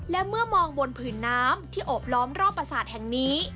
และเมื่อมองบนผืนน้ำที่โอบล้อมรอบประสาทแห่งนี้